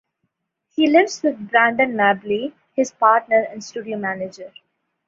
He lives with Brandon Mably, his partner and studio manager.